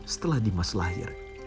setelah dimas lahir